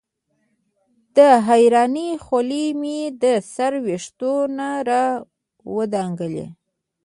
د حېرانۍ خولې مې د سر وېښتو نه راودنګل